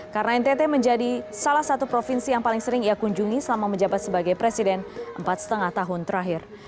karena ntt menjadi salah satu provinsi yang paling sering ia kunjungi selama menjabat sebagai presiden empat lima tahun terakhir